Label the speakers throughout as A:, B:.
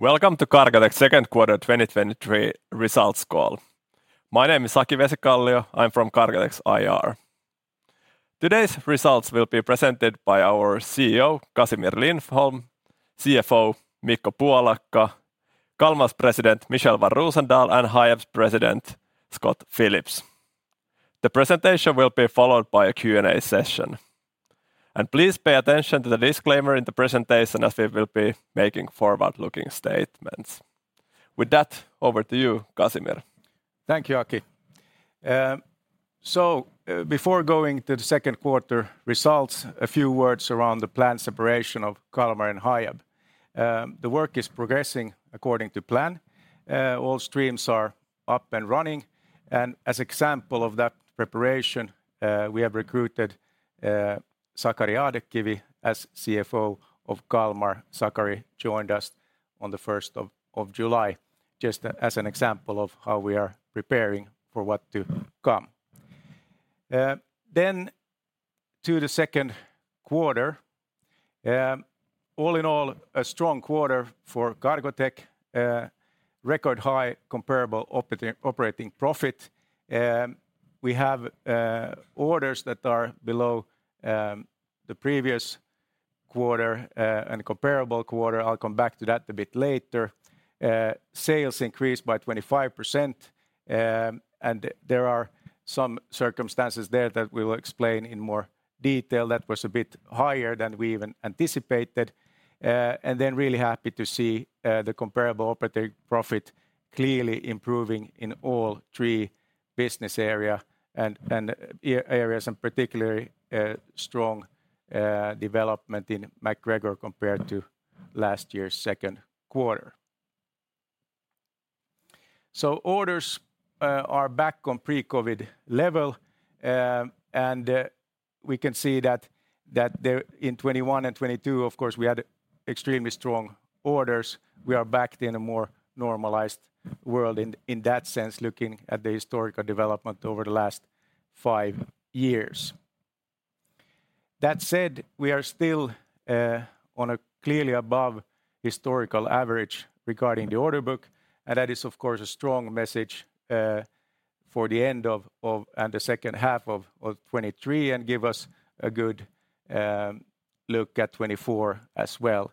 A: Welcome to Cargotec's Q2 2023 results call. My name is Aki Vesikallio. I'm from Cargotec's IR. Today's results will be presented by our CEO, Casimir Lindholm, CFO, Mikko Puolakka, Kalmar's President, Michel van Roozendaal, and Hiab's President, Scott Phillips. Please pay attention to the disclaimer in the presentation, as we will be making forward-looking statements. With that, over to you, Casimir.
B: Thank you, Aki. Before going to the Q2 results, a few words around the planned separation of Kalmar and Hiab. The work is progressing according to plan. All streams are up and running, and as example of that preparation, we have recruited Sakari Ahdekivi as CFO of Kalmar. Sakari joined us on the 1st of July, just as an example of how we are preparing for what to come. To the Q2, all in all, a strong quarter for Cargotec. Record high comparable operating profit. We have orders that are below the previous quarter and comparable quarter. I'll come back to that a bit later. Sales increased by 25%, and there are some circumstances there that we will explain in more detail. That was a bit higher than we even anticipated. Then really happy to see, the comparable operating profit clearly improving in all three business area and areas, and particularly, strong, development in MacGregor compared to last year's Q2. Orders, are back on pre-COVID level, we can see that there. In 2021 and 2022, of course, we had extremely strong orders. We are back in a more normalized world in that sense, looking at the historical development over the last five years. That said, we are still, on a clearly above historical average regarding the order book, and that is, of course, a strong message, for the end of, and the second half of 2023, give us a good, look at 2024 as well.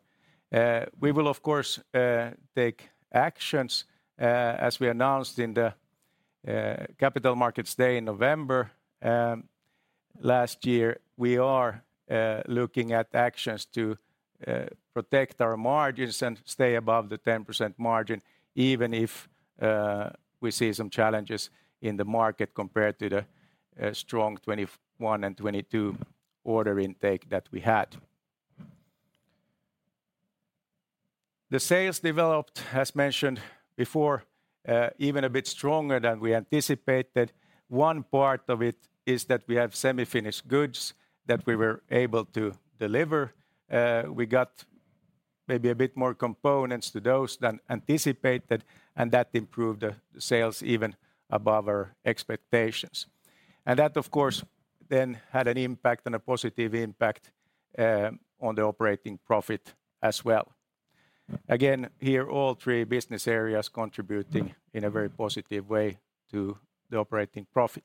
B: We will, of course, take actions, as we announced in the capital markets day in November last year. We are looking at actions to protect our margins and stay above the 10% margin, even if we see some challenges in the market compared to the strong 2021 and 2022 order intake that we had. The sales developed, as mentioned before, even a bit stronger than we anticipated. One part of it is that we have semi-finished goods that we were able to deliver. We got maybe a bit more components to those than anticipated, and that improved the sales even above our expectations. And that, of course, then had an impact and a positive impact on the operating profit as well. Again, here, all three business areas contributing in a very positive way to the operating profit.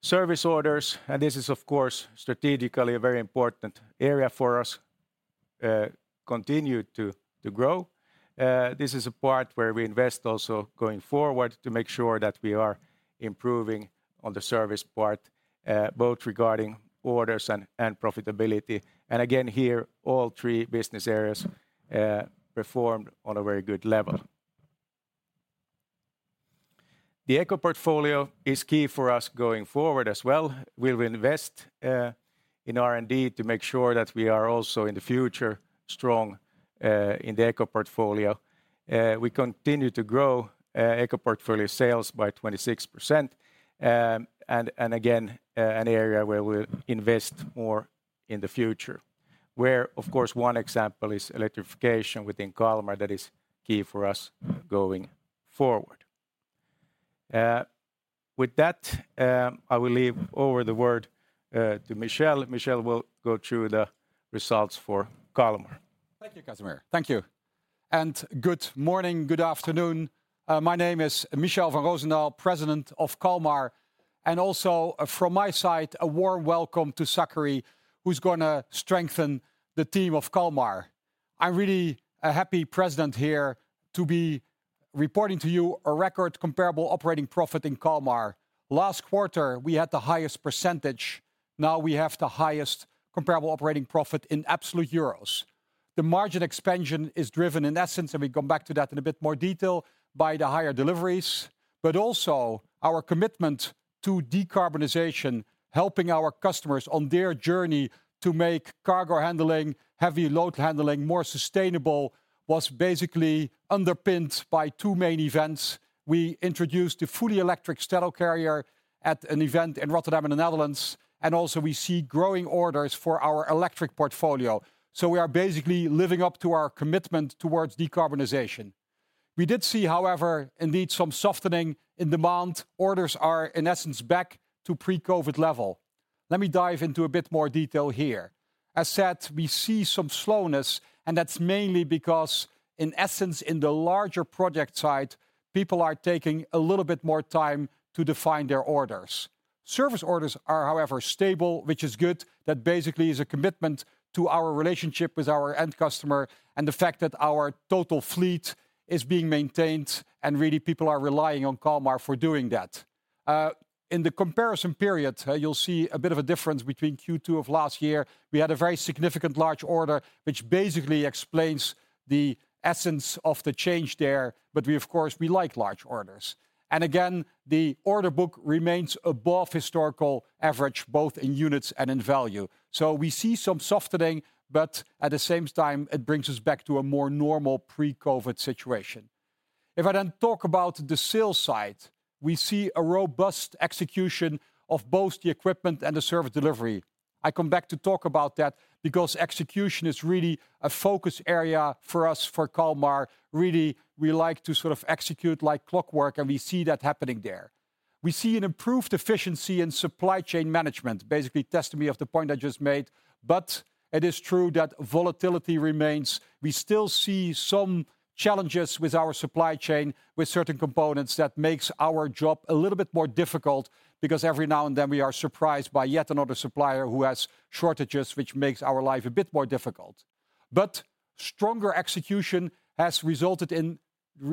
B: Service orders, this is, of course, strategically a very important area for us, continued to grow. This is a part where we invest also going forward to make sure that we are improving on the service part, both regarding orders and profitability. Again, here, all three business areas performed on a very good level. The eco portfolio is key for us going forward as well. We'll invest in R&D to make sure that we are also, in the future, strong in the eco portfolio. We continue to grow eco portfolio sales by 26%, and again, an area where we'll invest more in the future. Of course, one example is electrification within Kalmar. That is key for us going forward. With that, I will leave over the word to Michel. Michel will go through the results for Kalmar.
C: Thank you, Casimir. Thank you. Good morning, good afternoon. My name is Michel van Roozendaal, President of Kalmar. Also from my side, a warm welcome to Sakari, who's gonna strengthen the team of Kalmar. I'm really a happy President here to be reporting to you a record comparable operating profit in Kalmar. Last quarter, we had the highest percentage. Now, we have the highest comparable operating profit in absolute EUR. The margin expansion is driven in essence, we come back to that in a bit more detail, by the higher deliveries. Also our commitment to decarbonization, helping our customers on their journey to make cargo handling, heavy load handling, more sustainable, was basically underpinned by two main events. We introduced a fully electric straddle carrier at an event in Rotterdam, in the Netherlands. Also we see growing orders for our electric portfolio. We are basically living up to our commitment towards decarbonization. We did see, however, indeed, some softening in demand. Orders are, in essence, back to pre-COVID level. Let me dive into a bit more detail here. As said, we see some slowness, and that's mainly because, in essence, in the larger project side, people are taking a little bit more time to define their orders. Service orders are, however, stable, which is good. That basically is a commitment to our relationship with our end customer, and the fact that our total fleet is being maintained, and really, people are relying on Kalmar for doing that. In the comparison period, you'll see a bit of a difference between Q2 of last year. We had a very significant large order, which basically explains the essence of the change there, but we, of course, like large orders. Again, the order book remains above historical average, both in units and in value. We see some softening, but at the same time, it brings us back to a more normal pre-COVID situation. If I talk about the sales side, we see a robust execution of both the equipment and the service delivery. I come back to talk about that because execution is really a focus area for us, for Kalmar. Really, we like to sort of execute like clockwork, and we see that happening there. We see an improved efficiency in supply chain management, basically testimony of the point I just made, but it is true that volatility remains. We still see some challenges with our supply chain, with certain components that makes our job a little bit more difficult, because every now and then, we are surprised by yet another supplier who has shortages, which makes our life a bit more difficult. Stronger execution has resulted in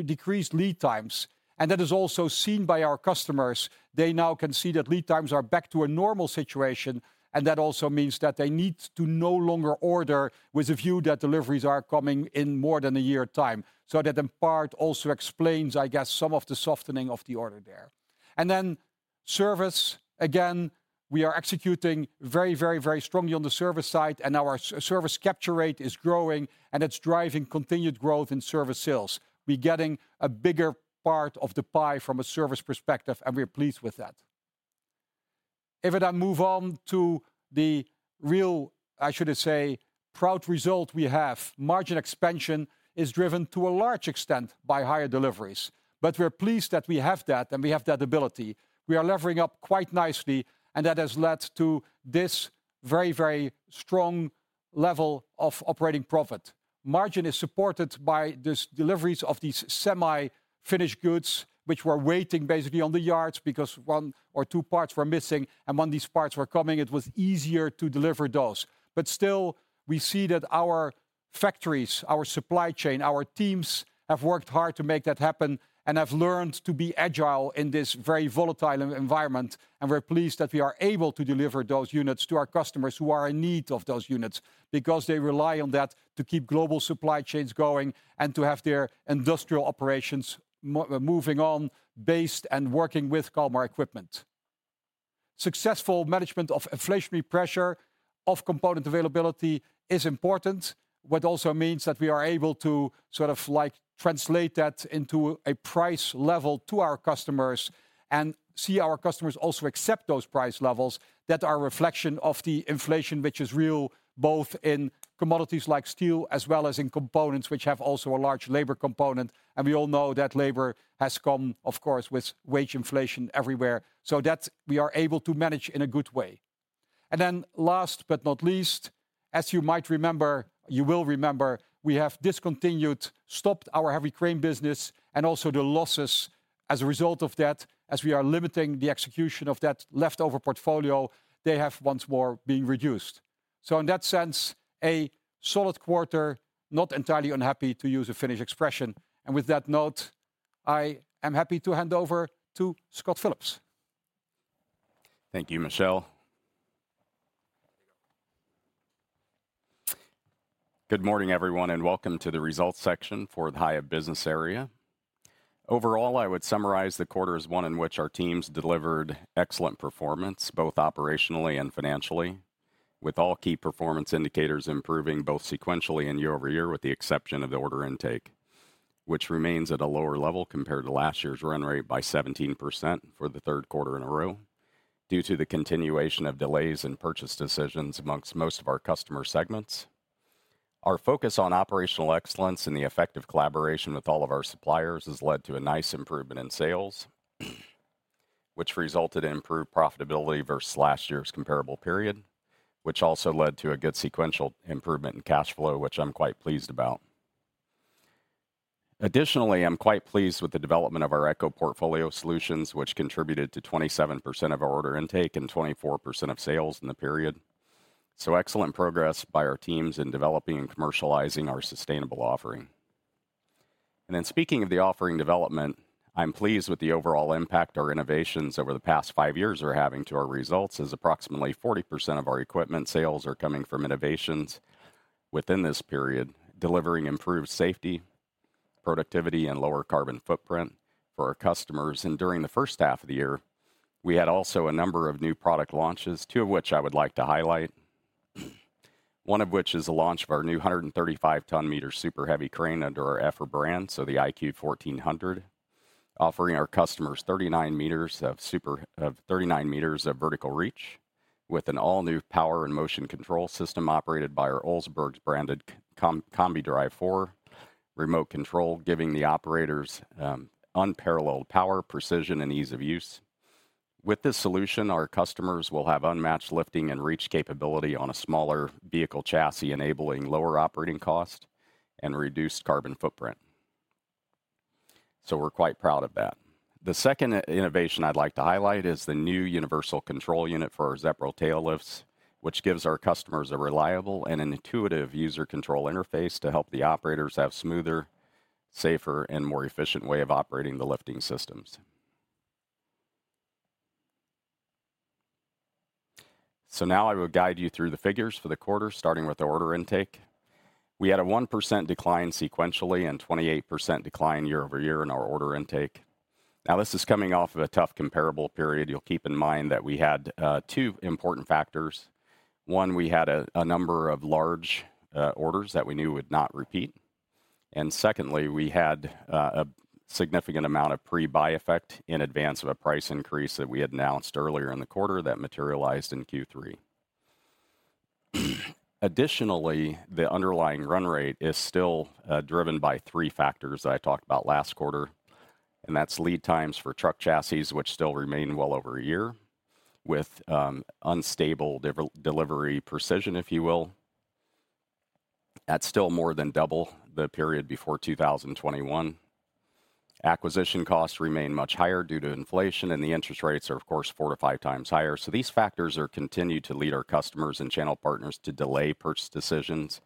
C: decreased lead times, and that is also seen by our customers. They now can see that lead times are back to a normal situation, and that also means that they need to no longer order with a view that deliveries are coming in more than a year time. That, in part, also explains, I guess, some of the softening of the order there. Service, again, we are executing very, very, very strongly on the service side, and our service capture rate is growing, and it's driving continued growth in service sales. We're getting a bigger part of the pie from a service perspective, and we're pleased with that. If I now move on to the real, I should say, proud result we have, margin expansion is driven to a large extent by higher deliveries. We're pleased that we have that, and we have that ability. We are levering up quite nicely, and that has led to this very, very strong level of operating profit. Margin is supported by this deliveries of these semi-finished goods, which were waiting basically on the yards because one or two parts were missing, and when these parts were coming, it was easier to deliver those. Still, we see that our factories, our supply chain, our teams have worked hard to make that happen and have learned to be agile in this very volatile environment. We're pleased that we are able to deliver those units to our customers who are in need of those units, because they rely on that to keep global supply chains going and to have their industrial operations moving on, based and working with Kalmar equipment. Successful management of inflationary pressure, of component availability is important, what also means that we are able to sort of, like, translate that into a price level to our customers and see our customers also accept those price levels that are a reflection of the inflation, which is real, both in commodities like steel, as well as in components, which have also a large labor component. We all know that labor has come, of course, with wage inflation everywhere, so that we are able to manage in a good way. Last but not least, as you might remember, you will remember, we have discontinued, stopped our heavy crane business and also the losses as a result of that. As we are limiting the execution of that leftover portfolio, they have once more been reduced. In that sense, a solid quarter, not entirely unhappy, to use a Finnish expression. With that note, I am happy to hand over to Scott Phillips.
D: Thank you, Michel. Good morning, everyone, and welcome to the results section for the Hiab Business Area. Overall, I would summarize the quarter as one in which our teams delivered excellent performance, both operationally and financially, with all key performance indicators improving both sequentially and year-over-year, with the exception of the order intake, which remains at a lower level compared to last year's run rate by 17% for the Q3 in a row, due to the continuation of delays in purchase decisions amongst most of our customer segments. Our focus on operational excellence and the effective collaboration with all of our suppliers has led to a nice improvement in sales, which resulted in improved profitability versus last year's comparable period, which also led to a good sequential improvement in cash flow, which I'm quite pleased about. I'm quite pleased with the development of our eco portfolio solutions, which contributed to 27% of our order intake and 24% of sales in the period. Excellent progress by our teams in developing and commercializing our sustainable offering. Speaking of the offering development, I'm pleased with the overall impact our innovations over the past five years are having to our results, as approximately 40% of our equipment sales are coming from innovations within this period, delivering improved safety, productivity, and lower carbon footprint for our customers. During the first half of the year, we had also a number of new product launches, two of which I would like to highlight. One of which is the launch of our new 135 ton meter super heavy crane under our Effer brand, so the iQ1400... offering our customers 39 meters of vertical reach, with an all-new power and motion control system operated by our Olsbergs branded CombiDrive4 remote control, giving the operators unparalleled power, precision, and ease of use. With this solution, our customers will have unmatched lifting and reach capability on a smaller vehicle chassis, enabling lower operating cost and reduced carbon footprint. We're quite proud of that. The second innovation I'd like to highlight is the new universal control unit for our ZEPRO tail lifts, which gives our customers a reliable and an intuitive user control interface to help the operators have smoother, safer, and more efficient way of operating the lifting systems. Now I will guide you through the figures for the quarter, starting with the order intake. We had a 1% decline sequentially, and 28% decline year-over-year in our order intake. This is coming off of a tough comparable period. You'll keep in mind that we had 2 important factors. One, we had a number of large orders that we knew would not repeat, and secondly, we had a significant amount of pre-buy effect in advance of a price increase that we had announced earlier in the quarter that materialized in Q3. The underlying run rate is still driven by 3 factors that I talked about last quarter, and that's lead times for truck chassis, which still remain well over a year, with unstable delivery precision, if you will. That's still more than double the period before 2021. Acquisition costs remain much higher due to inflation, and the interest rates are, of course, 4 to 5 times higher. These factors are continued to lead our customers and channel partners to delay purchase decisions.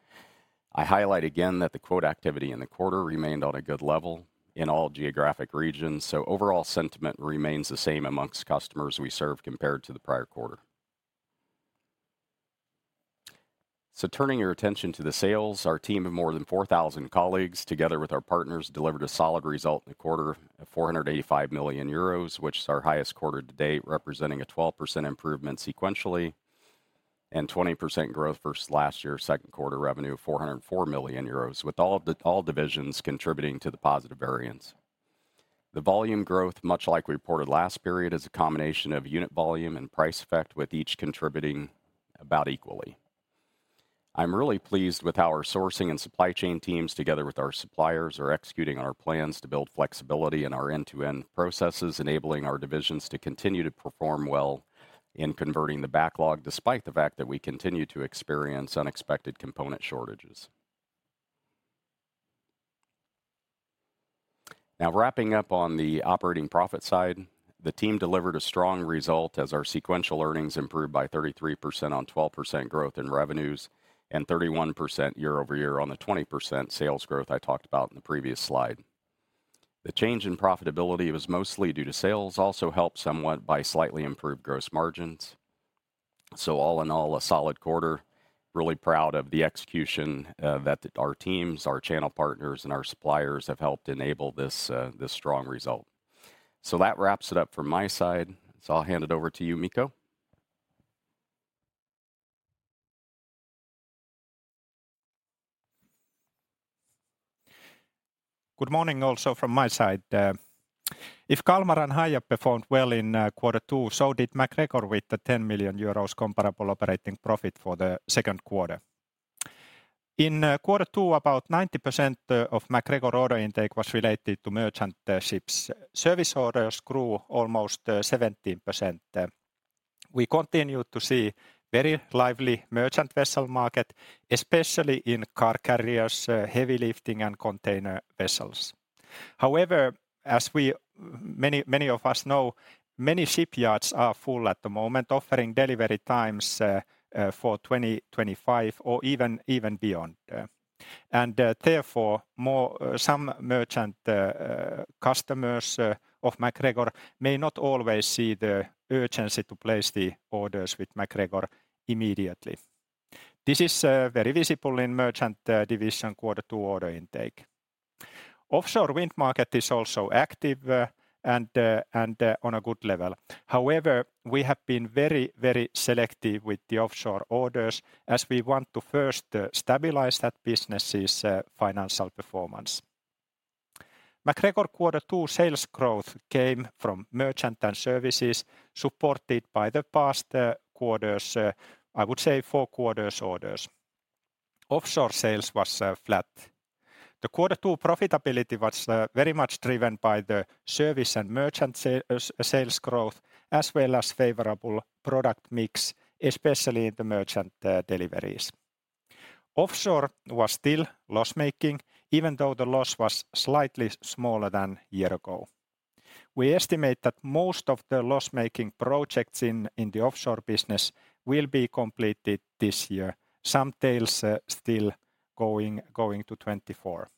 D: I highlight again that the quote activity in the quarter remained on a good level in all geographic regions, so overall sentiment remains the same amongst customers we serve compared to the prior quarter. Turning your attention to the sales, our team of more than 4,000 colleagues, together with our partners, delivered a solid result in the quarter of 485 million euros, which is our highest quarter to date, representing a 12% improvement sequentially, and 20% growth versus last year's Q2 revenue of 404 million euros, with all divisions contributing to the positive variance. The volume growth, much like we reported last period, is a combination of unit volume and price effect, with each contributing about equally. I'm really pleased with how our sourcing and supply chain teams, together with our suppliers, are executing our plans to build flexibility in our end-to-end processes, enabling our divisions to continue to perform well in converting the backlog, despite the fact that we continue to experience unexpected component shortages. Wrapping up on the operating profit side, the team delivered a strong result as our sequential earnings improved by 33% on 12% growth in revenues, and 31% year-over-year on the 20% sales growth I talked about in the previous slide. The change in profitability was mostly due to sales, also helped somewhat by slightly improved gross margins. All in all, a solid quarter. Really proud of the execution, that our teams, our channel partners, and our suppliers have helped enable this strong result. That wraps it up from my side. I'll hand it over to you, Mikko.
E: Good morning also from my side. If Kalmar and Hiab performed well in Q2, so did MacGregor with 10 million euros comparable operating profit for the Q2. In Q2, about 90% of MacGregor order intake was related to merchant ships. Service orders grew almost 17%. We continue to see very lively merchant vessel market, especially in car carriers, heavy lifting, and container vessels. As many of us know, many shipyards are full at the moment, offering delivery times for 2025 or even beyond. Therefore, some merchant customers of MacGregor may not always see the urgency to place the orders with MacGregor immediately. This is very visible in merchant division Q2 order intake. Offshore wind market is also active, and on a good level. However, we have been very, very selective with the offshore orders, as we want to first stabilize that business's financial performance. MacGregor Q2 sales growth came from merchant and services, supported by the past quarters, I would say 4 quarters orders. Offshore sales was flat. The Q2 profitability was very much driven by the service and merchant sales growth, as well as favorable product mix, especially in the merchant deliveries. Offshore was still loss-making, even though the loss was slightly smaller than year ago. We estimate that most of the loss-making projects in the offshore business will be completed this year. Some tails, still going to 2024.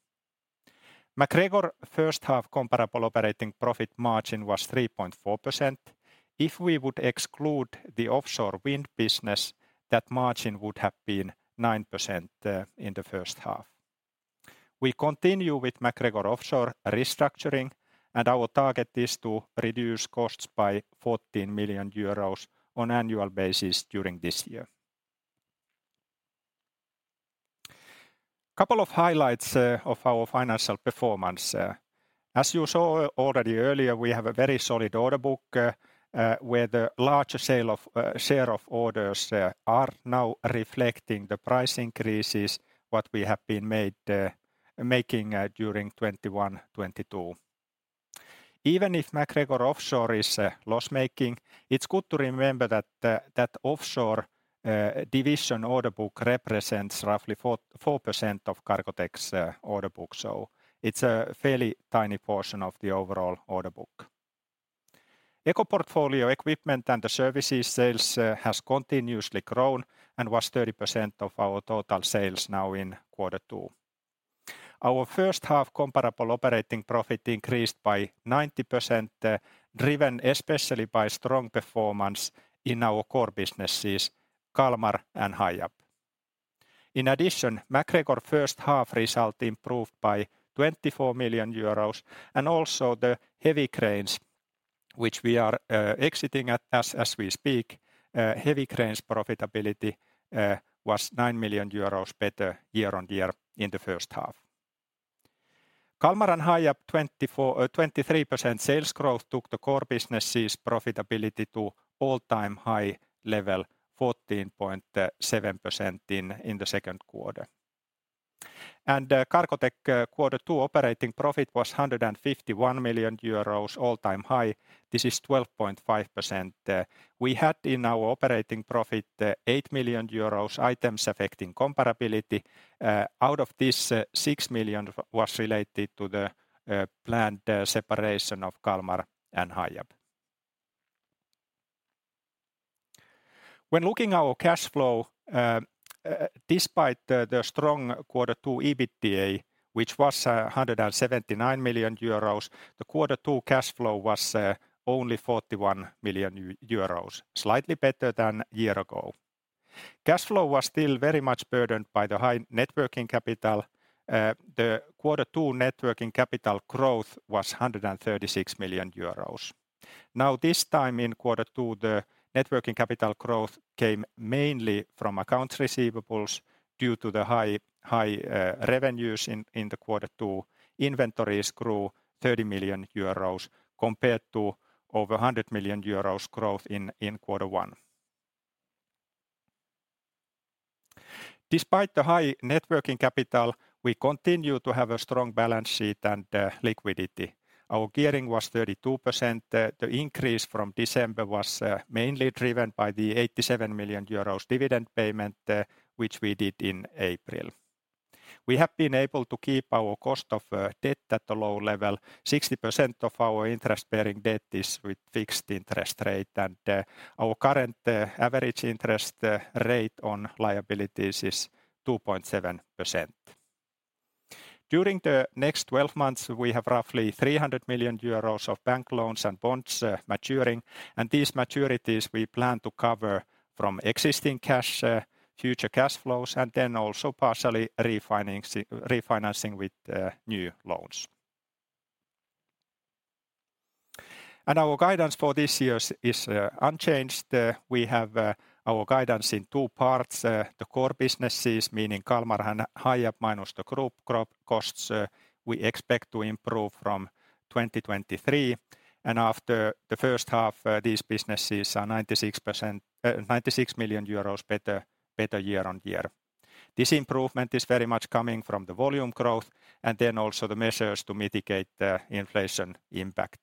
E: MacGregor first half comparable operating profit margin was 3.4%. If we would exclude the offshore wind business, that margin would have been 9% in the first half. We continue with MacGregor Offshore restructuring, and our target is to reduce costs by 14 million euros on annual basis during this year. Couple of highlights of our financial performance. As you saw already earlier, we have a very solid order book, where the larger sale of share of orders are now reflecting the price increases, what we have been made, making during 2021, 2022. Even if MacGregor Offshore is loss-making, it's good to remember that the offshore division order book represents roughly 4% of Cargotec's order book. It's a fairly tiny portion of the overall order book. eco portfolio equipment and the services sales has continuously grown and was 30% of our total sales now in Q2. Our first half comparable operating profit increased by 90%, driven especially by strong performance in our core businesses, Kalmar and Hiab. In addition, MacGregor first half result improved by 24 million euros, and also the heavy cranes, which we are exiting as we speak, heavy cranes profitability was 9 million euros better year on year in the first half. Kalmar and Hiab, 23% sales growth took the core businesses' profitability to all-time high level, 14.7% in the Q2. Cargotec Q2 operating profit was 151 million euros, all-time high. This is 12.5%. We had in our operating profit, 8 million euros Items affecting comparability. Out of this, 6 million was related to the planned separation of Kalmar and Hiab. When looking our cash flow, despite the strong Q2 EBITDA, which was 179 million euros, the Q2 cash flow was only 41 million euros, slightly better than a year ago. Cash flow was still very much burdened by the high Net working capital. The Q2 Net working capital growth was 136 million euros. Now, this time in Q2, the Net working capital growth came mainly from accounts receivables due to the high revenues in the Q2. Inventories grew 30 million euros, compared to over 100 million euros growth in Q1. Despite the high net working capital, we continue to have a strong balance sheet and liquidity. Our gearing was 32%. The increase from December was mainly driven by the 87 million euros dividend payment, which we did in April. We have been able to keep our cost of debt at a low level. 60% of our interest-bearing debt is with fixed interest rate, and our current average interest rate on liabilities is 2.7%. During the next 12 months, we have roughly 300 million euros of bank loans and bonds maturing, and these maturities we plan to cover from existing cash, future cash flows, and then also partially refinancing with new loans. Our guidance for this year is unchanged. We have our guidance in two parts. The core businesses, meaning Kalmar and Hiab, minus the group costs, we expect to improve from 2023, and after the first half, these businesses are 96 million euros better year on year. This improvement is very much coming from the volume growth, also the measures to mitigate the inflation impact.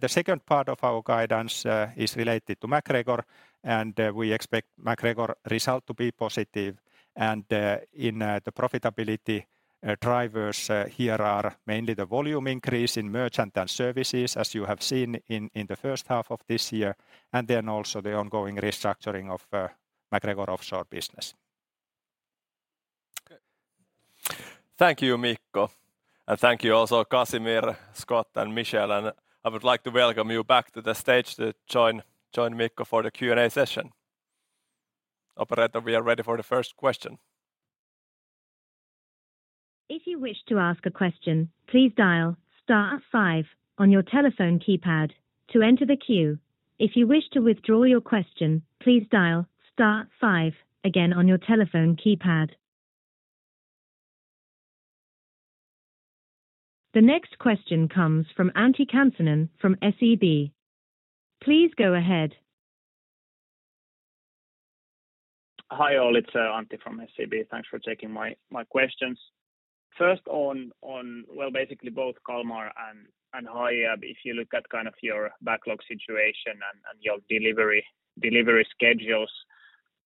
E: The second part of our guidance is related to MacGregor, and we expect MacGregor result to be positive. In the profitability drivers here are mainly the volume increase in merchant and services, as you have seen in the first half of this year, also the ongoing restructuring of MacGregor Offshore business.
A: Thank you, Mikko, thank you also Casimir, Scott, and Michel, I would like to welcome you back to the stage to join Mikko for the Q&A session. Operator, we are ready for the first question.
F: If you wish to ask a question, please dial star five on your telephone keypad to enter the queue. If you wish to withdraw your question, please dial star five again on your telephone keypad. The next question comes from Antti Kansanen from SEB. Please go ahead.
G: Hi, all. It's Antti from SEB. Thanks for taking my questions. First on, well, basically both Kalmar and Hiab, if you look at kind of your backlog situation and your delivery schedules,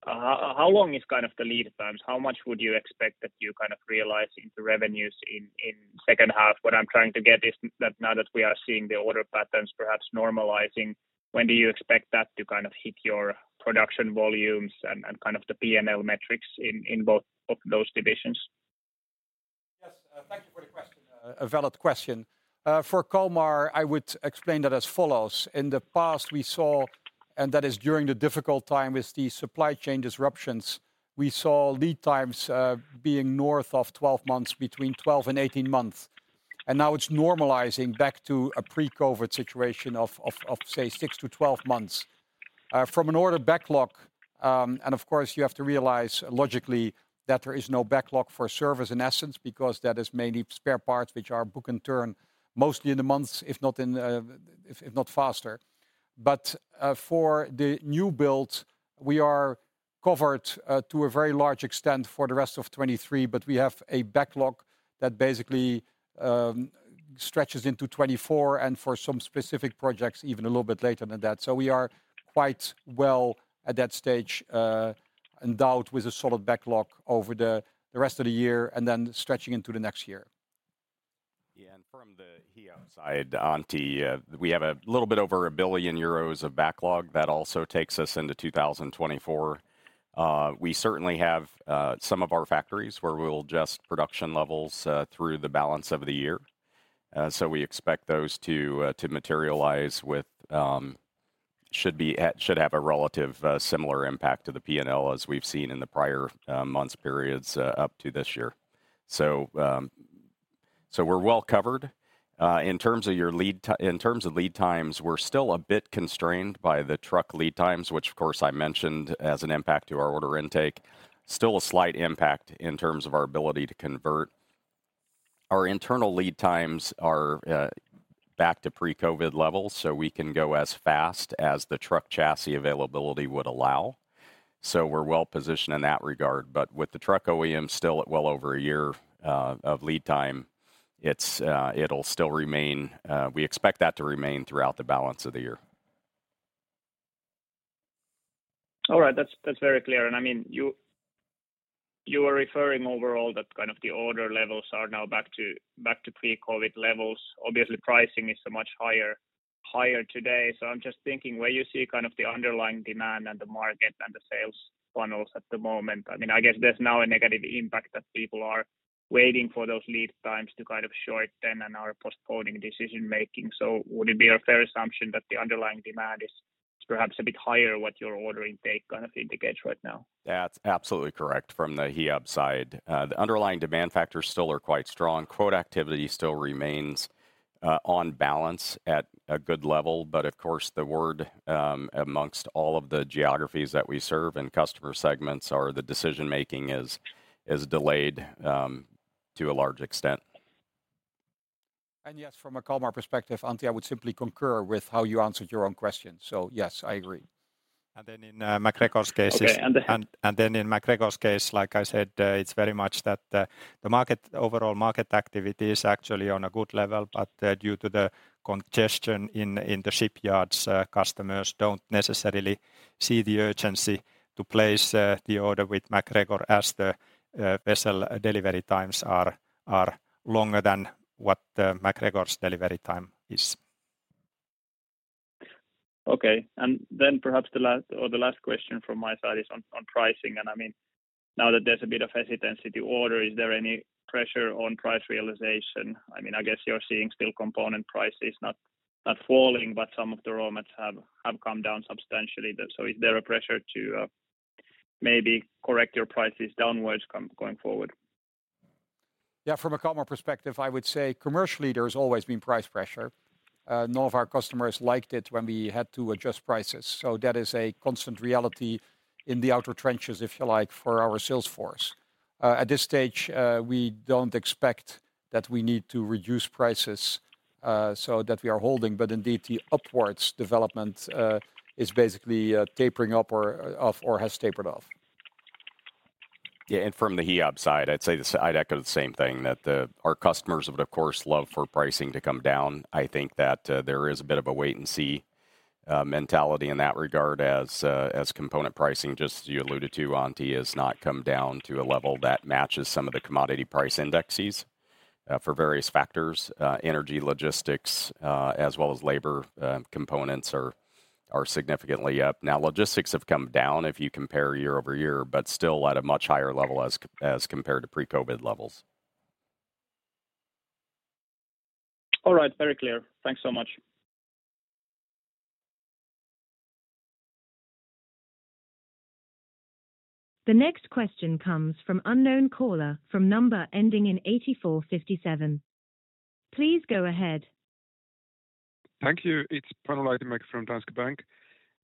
G: how long is kind of the lead times? How much would you expect that you kind of realize into revenues in second half? What I'm trying to get is that now that we are seeing the order patterns perhaps normalizing, when do you expect that to kind of hit your production volumes and kind of the P&L metrics in both of those divisions?
E: Yes, thank you for the question. A valid question. For Kalmar, I would explain that as follows: In the past, we saw. That is during the difficult time with the supply chain disruptions, we saw lead times, being north of 12 months, between 12 and 18 months. Now it's normalizing back to a pre-COVID situation of, say, 6 to 12 months. from an order backlog, and of course, you have to realize logically that there is no backlog for service, in essence, because that is mainly spare parts which are book in turn, mostly in the months, if not in, if not faster. For the new builds, we are covered to a very large extent for the rest of 2023, but we have a backlog that basically stretches into 2024, and for some specific projects, even a little bit later than that. We are quite well at that stage, endowed with a solid backlog over the rest of the year and then stretching into the next year.
D: Yeah, from the Hiab side, Antti, we have a little bit over 1 billion euros of backlog. That also takes us into 2024. We certainly have some of our factories where we'll adjust production levels through the balance of the year. We expect those to materialize with, should have a relative similar impact to the P&L as we've seen in the prior months periods up to this year. We're well covered. In terms of lead times, we're still a bit constrained by the truck lead times, which of course I mentioned as an impact to our order intake. Still a slight impact in terms of our ability to convert. Our internal lead times are back to pre-COVID levels. We can go as fast as the truck chassis availability would allow. We're well positioned in that regard. With the truck OEM still at well over a year of lead time, we expect that to remain throughout the balance of the year.
G: All right. That's very clear. I mean, you are referring overall that kind of the order levels are now back to pre-COVID levels. Obviously, pricing is so much higher today. I'm just thinking, where you see kind of the underlying demand and the market and the sales funnels at the moment? I mean, I guess there's now a negative impact that people are waiting for those lead times to kind of shorten and are postponing decision-making. Would it be a fair assumption that the underlying demand is perhaps a bit higher, what your order intake kind of indicates right now?
D: That's absolutely correct from the Hiab side. The underlying demand factors still are quite strong. Quote activity still remains on balance at a good level. Of course, the word amongst all of the geographies that we serve and customer segments are, the decision-making is delayed to a large extent.
C: Yes, from a Kalmar perspective, Antti, I would simply concur with how you answered your own question. Yes, I agree.
E: Then in MacGregor's case.
G: Okay.
E: In MacGregor's case, like I said, it's very much that the market, overall market activity is actually on a good level, but due to the congestion in the shipyards, customers don't necessarily see the urgency to place the order with MacGregor as the vessel delivery times are longer than what MacGregor's delivery time is.
G: Okay. Perhaps the last question from my side is on pricing. I mean, now that there's a bit of hesitancy to order, is there any pressure on price realization? I mean, I guess you're seeing still component prices not falling, but some of the raw mats have come down substantially. Is there a pressure to maybe correct your prices downwards going forward?
C: From a Kalmar perspective, I would say commercially, there's always been price pressure. None of our customers liked it when we had to adjust prices, so that is a constant reality in the outer trenches, if you like, for our sales force. At this stage, we don't expect that we need to reduce prices, so that we are holding, but indeed, the upwards development is basically tapering up or off, or has tapered off.
D: From the Hiab side, I'd say I'd echo the same thing, that our customers would, of course, love for pricing to come down. I think that there is a bit of a wait and see mentality in that regard as component pricing, just as you alluded to, Antti, has not come down to a level that matches some of the commodity price indexes for various factors. Energy, logistics, as well as labor components are significantly up. Logistics have come down if you compare year-over-year, but still at a much higher level as compared to pre-COVID levels.
G: All right. Very clear. Thanks so much.
F: The next question comes from unknown caller from number ending in 8457. Please go ahead.
H: Thank you. It's Panu Laitinmäki from Danske Bank.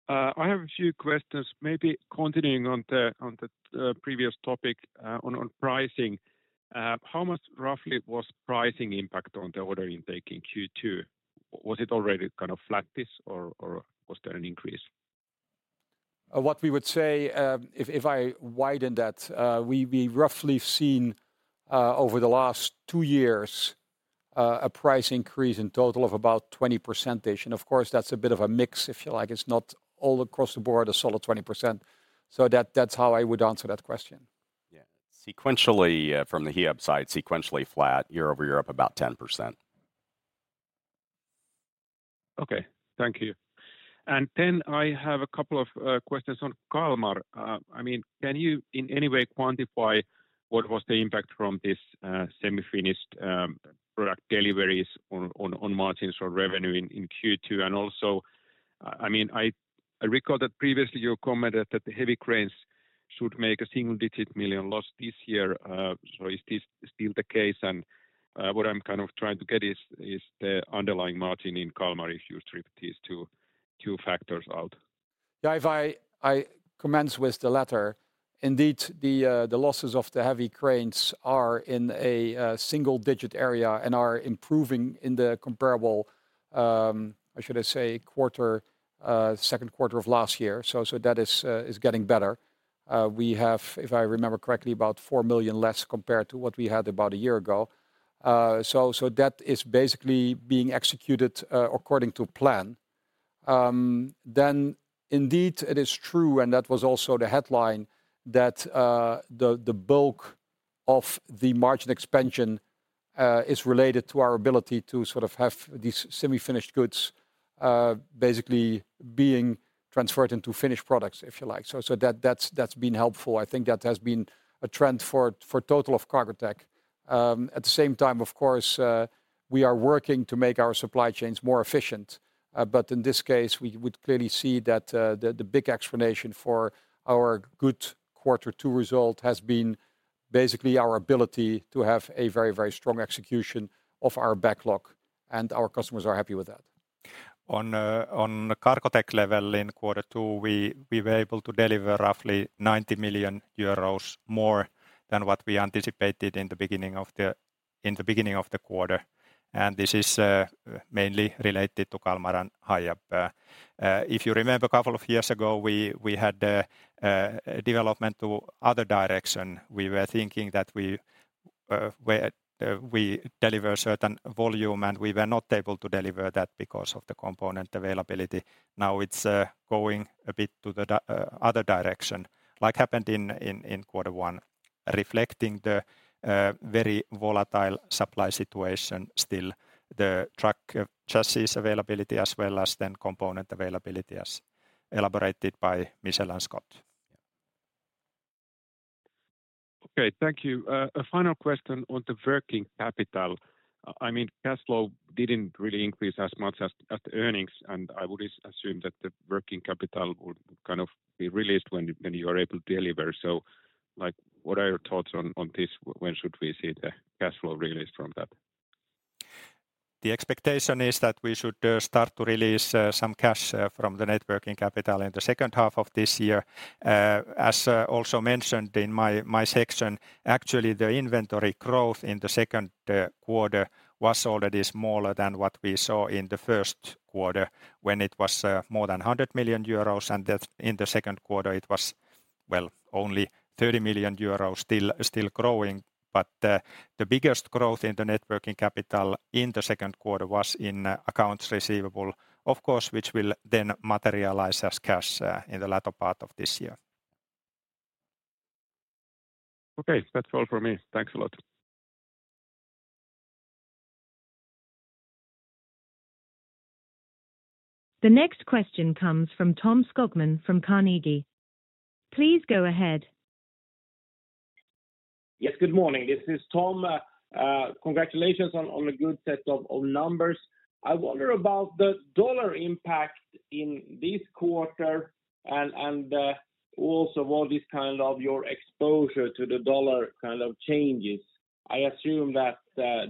H: I have a few questions. Maybe continuing on the previous topic on pricing. How much roughly was pricing impact on the order in taking Q2? Was it already kind of flat-ish or was there an increase?
C: What we would say, if I widen that, we've been roughly seen over the last 2 years, a price increase in total of about 20%. Of course, that's a bit of a mix, if you like. It's not all across the board, a solid 20%. That's how I would answer that question.
D: Sequentially, from the Hiab side, sequentially flat, year-over-year, up about 10%.
H: Okay. Thank you. I have a couple of questions on Kalmar. I mean, can you, in any way, quantify what was the impact from this semi-finished product deliveries on margins or revenue in Q2? Also, I mean, I recall that previously you commented that the heavy cranes should make a single-digit million loss this year. Is this still the case? What I'm kind of trying to get is the underlying margin in Kalmar, if you strip these two factors out.
E: If I commence with the latter. Indeed, the losses of the heavy cranes are in a single-digit area and are improving in the comparable, should I say quarter, Q2 of last year. That is getting better. We have, if I remember correctly, about 4 million less compared to what we had about a year ago. That is basically being executed according to plan. Indeed, it is true, and that was also the headline, that the bulk of the margin expansion is related to our ability to sort of have these semi-finished goods basically being transferred into finished products, if you like. That's been helpful. I think that has been a trend for total of Cargotec. At the same time, of course, we are working to make our supply chains more efficient, but in this case, we would clearly see that the big explanation for our good Q2 result has been basically our ability to have a very, very strong execution of our backlog, and our customers are happy with that. On the Cargotec level in Q2, we were able to deliver roughly 90 million euros, more than what we anticipated in the beginning of the quarter. This is mainly related to Kalmar and Hiab. If you remember a couple of years ago, we had a development to other direction. We were thinking that we deliver certain volume, and we were not able to deliver that because of the component availability. It's going a bit to the other direction, like happened in Q1, reflecting the very volatile supply situation. Still, the truck chassis availability as well as then component availability, as elaborated by Michel and Scott.
H: Okay, thank you. A final question on the working capital. I mean, cash flow didn't really increase as much as the earnings, and I would assume that the working capital would kind of be released when you are able to deliver. Like, what are your thoughts on this? When should we see the cash flow release from that?
E: The expectation is that we should start to release some cash from the net working capital in the second half of this year. As also mentioned in my section, actually, the inventory growth in the Q2 was already smaller than what we saw in the Q1, when it was more than 100 million euros, and that in the Q2 it was, well, only 30 million euros still growing. The biggest growth in the net working capital in the Q2 was in accounts receivable, of course, which will then materialize as cash in the latter part of this year.
H: Okay, that's all from me. Thanks a lot.
F: The next question comes from Tom Skogman from Carnegie. Please go ahead.
I: Yes, good morning. This is Tom. Congratulations on a good set of numbers. I wonder about the US dollar impact in this quarter and also what is kind of your exposure to the US dollar kind of changes? I assume that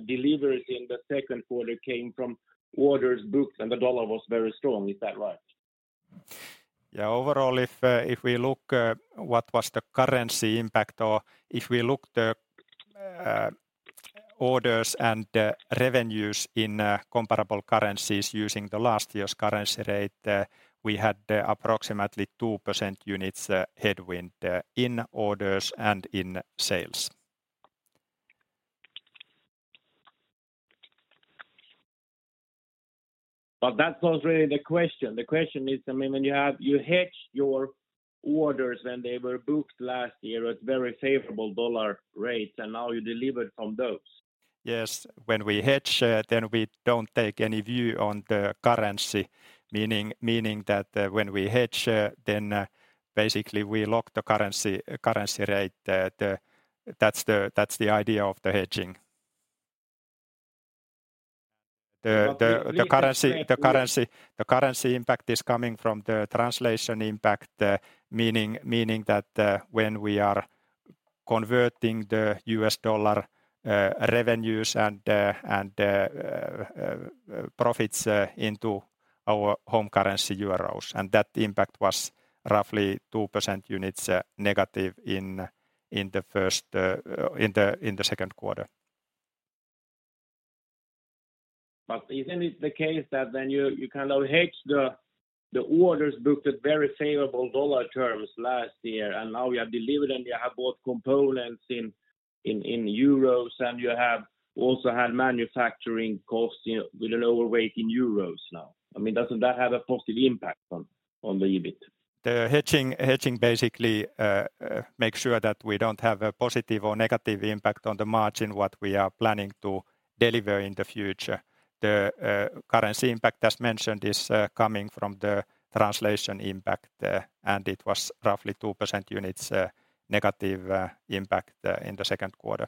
I: deliveries in the Q2 came from orders booked, and the US dollar was very strong. Is that right?
E: Overall, if we look what was the currency impact, or if we look the orders and the revenues in comparable currencies using the last year's currency rate, we had approximately 2% units headwind in orders and in sales.
I: That's not really the question. The question is, I mean, you hedge your orders when they were booked last year at very favorable Dollar rates. Now you delivered from those.
E: Yes. When we hedge, then we don't take any view on the currency, meaning that, when we hedge, then, basically we lock the currency rate. That's the idea of the hedging.
I: Well.
E: The currency impact is coming from the translation impact, meaning that when we are converting the US dollar revenues and profits into our home currency euros, and that impact was roughly 2 percent units negative in the Q2.
I: Isn't it the case that then you kind of hedge the orders booked at very favorable dollar terms last year, and now you have delivered, and you have bought components in, in euros, and you have also had manufacturing costs, you know, with an overweight in euros now? I mean, doesn't that have a positive impact on the EBIT?
E: The hedging basically makes sure that we don't have a positive or negative impact on the margin, what we are planning to deliver in the future. The currency impact, as mentioned, is coming from the translation impact, and it was roughly 2% units negative impact in the Q2.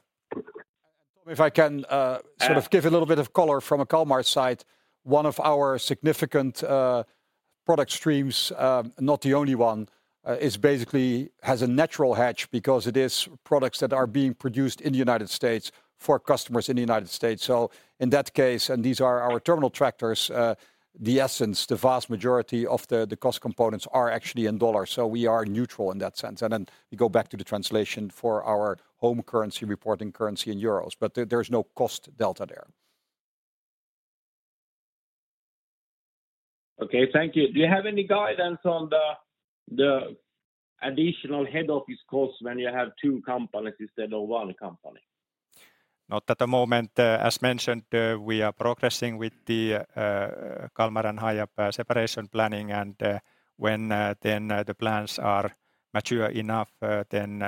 C: If I can, sort of give a little bit of color from a Kalmar side, one of our significant product streams, not the only one, is basically has a natural hedge because it is products that are being produced in the United States for customers in the United States. In that case, and these are our terminal tractors, the essence, the vast majority of the cost components are actually in dollars, so we are neutral in that sense. Then we go back to the translation for our home currency reporting currency in euros, but there's no cost delta there.
I: Okay, thank you. Do you have any guidance on the additional head office costs when you have two companies instead of one company?
E: Not at the moment. As mentioned, we are progressing with the Kalmar and Hiab separation planning. When the plans are mature enough, then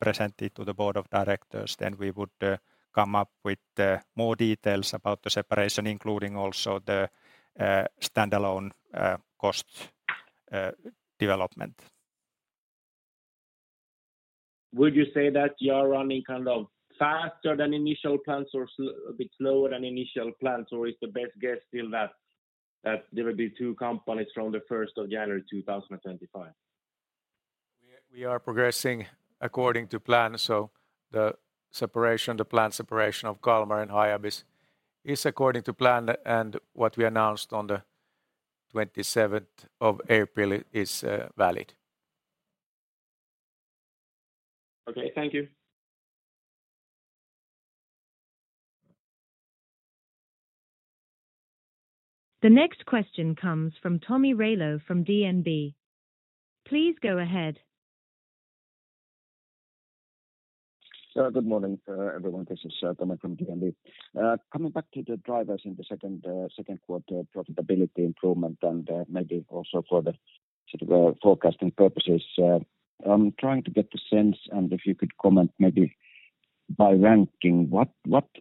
E: presented to the board of directors, then we would come up with more details about the separation, including also the standalone cost development.
I: Would you say that you are running kind of faster than initial plans or a bit slower than initial plans? Or is the best guess still that there will be two companies from the 1st of January, 2025?
E: We are progressing according to plan, so the separation, the planned separation of Kalmar and Hiab is according to plan, and what we announced on the 27th of April is valid.
I: Okay. Thank you.
F: The next question comes from Tomi Railo from DNB. Please go ahead.
J: Good morning, everyone. This is Tomi from DNB. Coming back to the drivers in the Q2 profitability improvement, and maybe also for the sort of, forecasting purposes. I'm trying to get the sense, and if you could comment maybe by ranking, what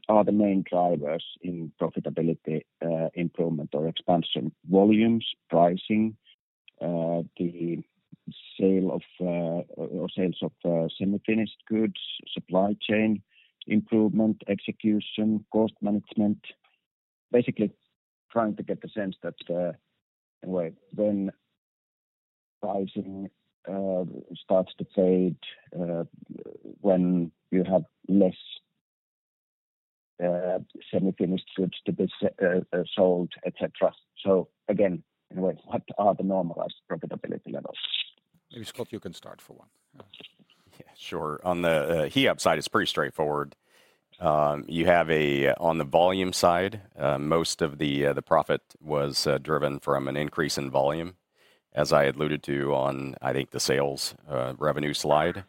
J: are the main drivers in profitability, improvement or expansion? Volumes, pricing, the sale of, or sales of, semi-finished goods, supply chain improvement, execution, cost management? Basically, trying to get the sense that, anyway, when pricing starts to fade, when you have less semi-finished goods to be sold, et cetera. Again, anyway, what are the normalized profitability levels?
C: Maybe, Scott, you can start for one.
D: Yeah, sure. On the Hiab side, it's pretty straightforward. On the volume side, most of the profit was driven from an increase in volume, as I alluded to on, I think, the sales revenue slide.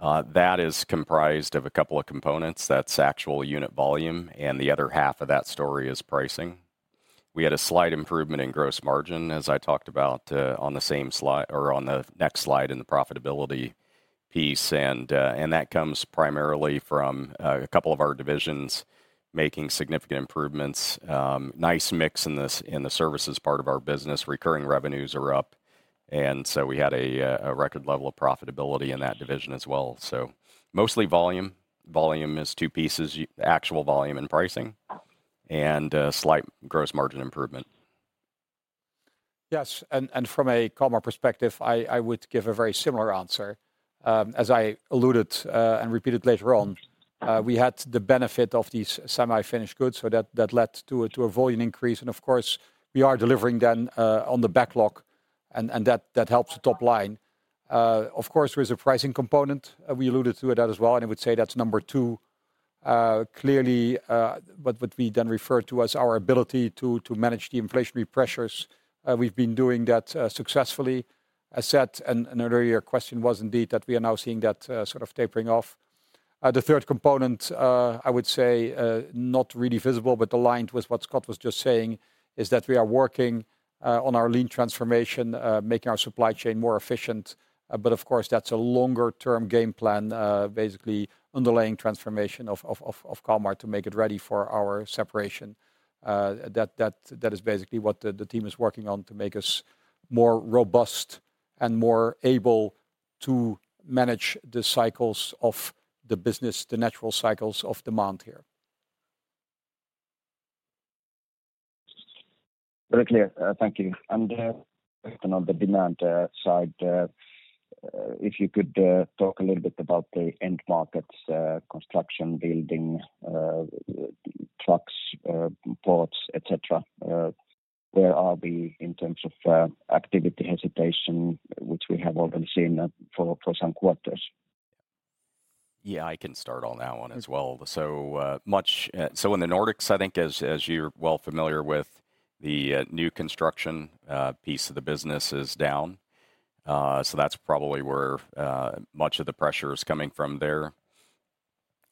D: That is comprised of a couple of components. That's actual unit volume, and the other half of that story is pricing. We had a slight improvement in gross margin, as I talked about, on the same slide or on the next slide in the profitability piece, and that comes primarily from a couple of our divisions making significant improvements. Nice mix in this, in the services part of our business. Recurring revenues are up, and so we had a record level of profitability in that division as well. Mostly volume. Volume is two pieces, actual volume and pricing, and slight gross margin improvement.
C: Yes, and from a Kalmar perspective, I would give a very similar answer. As I alluded and repeated later on, we had the benefit of these semi-finished goods, so that led to a volume increase. Of course, we are delivering then on the backlog and that helps the top line. Of course, there is a pricing component, and we alluded to that as well, and I would say that's number 2. Clearly, what we then refer to as our ability to manage the inflationary pressures, we've been doing that successfully. As said, an earlier question was indeed that we are now seeing that sort of tapering off. The third component, I would say, not really visible, but aligned with what Scott was just saying, is that we are working on our lean transformation, making our supply chain more efficient. Of course, that's a longer-term game plan, basically underlying transformation of Kalmar to make it ready for our separation. That is basically what the team is working on to make us more robust and more able to manage the cycles of the business, the natural cycles of demand here.
J: Very clear. Thank you. On the demand side, if you could talk a little bit about the end markets, construction, building, trucks, ports, et cetera. Where are we in terms of activity hesitation, which we have already seen for some quarters?
D: Yeah, I can start on that one as well. In the Nordics, I think as you're well familiar with, the new construction piece of the business is down. That's probably where much of the pressure is coming from there.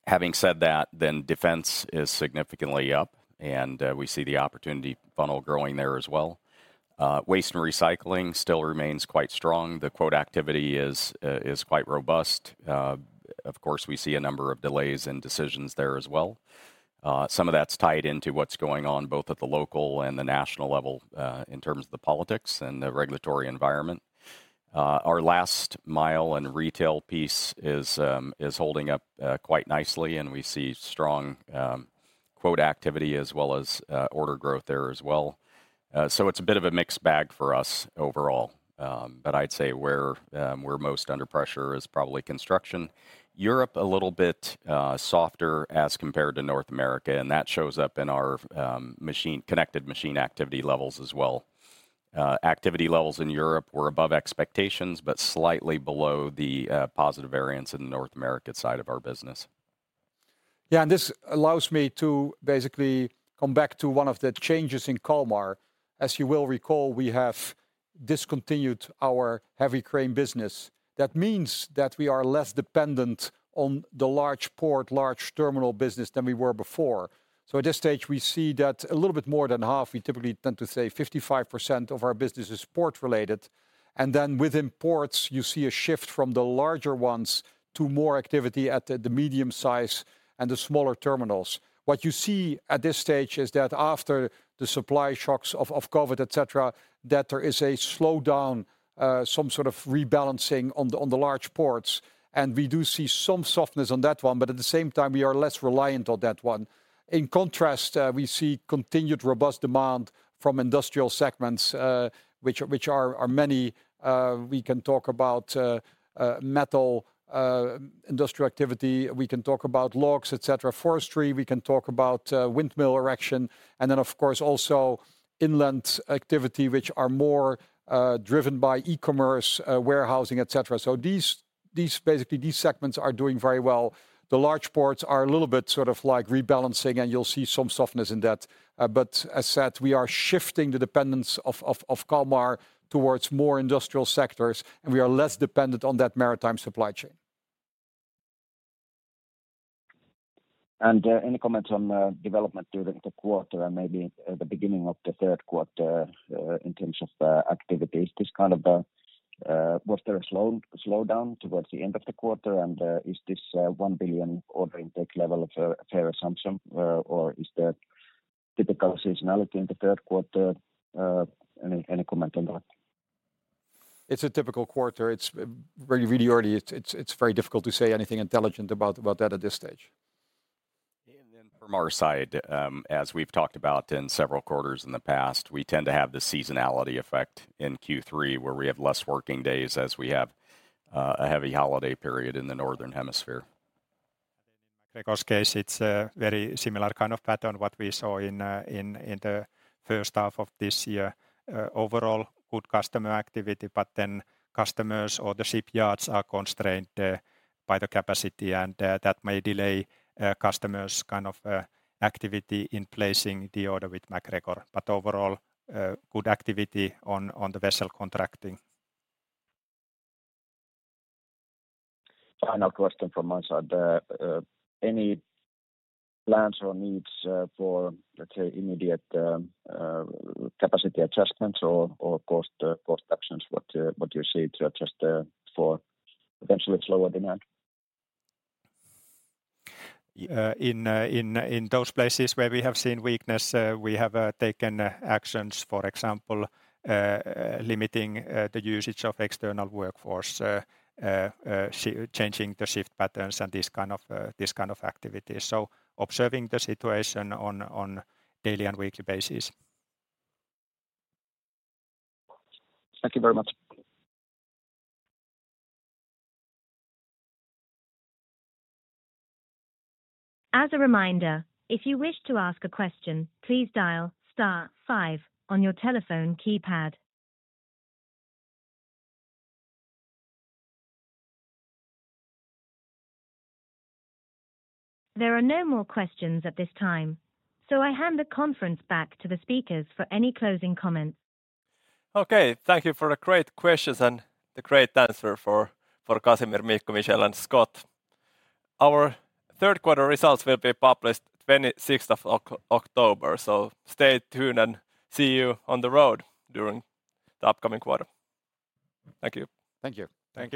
D: Having said that, defense is significantly up, and we see the opportunity funnel growing there as well. Waste and recycling still remains quite strong. The quote activity is quite robust. Of course, we see a number of delays in decisions there as well. Some of that's tied into what's going on both at the local and the national level, in terms of the politics and the regulatory environment. Our last mile and retail piece is holding up quite nicely, and we see strong quote activity as well as order growth there as well. It's a bit of a mixed bag for us overall. I'd say where we're most under pressure is probably construction. Europe, a little bit, softer as compared to North America, and that shows up in our connected machine activity levels as well. Activity levels in Europe were above expectations, but slightly below the positive variance in the North America side of our business.
C: Yeah, this allows me to basically come back to one of the changes in Kalmar. As you will recall, we have discontinued our heavy crane business. That means that we are less dependent on the large port, large terminal business than we were before. At this stage, we see that a little bit more than half, we typically tend to say 55% of our business is port-related. Then within ports, you see a shift from the larger ones to more activity at the medium size and the smaller terminals. What you see at this stage is that after the supply shocks of COVID, et cetera, that there is a slowdown, some sort of rebalancing on the large ports, We do see some softness on that one, but at the same time, we are less reliant on that one. In contrast, we see continued robust demand from industrial segments, which are many. We can talk about metal industrial activity, we can talk about logs, et cetera, forestry, we can talk about windmill erection, and then, of course, also inland activity, which are more driven by e-commerce, warehousing, et cetera. Basically, these segments are doing very well. The large ports are a little bit sort of like rebalancing, and you'll see some softness in that. As said, we are shifting the dependence of Kalmar towards more industrial sectors, and we are less dependent on that maritime supply chain.
J: Any comments on development during the quarter and maybe at the beginning of the Q3, in terms of activities? Was there a slowdown towards the end of the quarter, and is this 1 billion order intake level a fair assumption, or is there typical seasonality in the Q3? Any comment on that?
C: It's a typical quarter. It's already very difficult to say anything intelligent about that at this stage.
D: From our side, as we've talked about in several quarters in the past, we tend to have the seasonality effect in Q3, where we have less working days as we have, a heavy holiday period in the northern hemisphere.
E: In MacGregor's case, it's a very similar kind of pattern, what we saw in the first half of this year. Overall, good customer activity, but then customers or the shipyards are constrained, by the capacity, and that may delay, customers' kind of, activity in placing the order with MacGregor. Overall, good activity on the vessel contracting.
J: Final question from my side. Any plans or needs for, let's say, immediate capacity adjustments or cost actions? What do you see to adjust for eventually slower demand?
E: In those places where we have seen weakness, we have taken actions, for example, limiting the usage of external workforce, changing the shift patterns and this kind of activities. So observing the situation on daily and weekly basis.
J: Thank you very much.
F: As a reminder, if you wish to ask a question, please dial star 5 on your telephone keypad. There are no more questions at this time, I hand the conference back to the speakers for any closing comments.
E: Thank you for the great questions and the great answer for Casimir, Mikko, Michelle, and Scott. Our Q3 results will be published 26th of October. Stay tuned and see you on the road during the upcoming quarter. Thank you.
D: Thank you.
C: Thank you.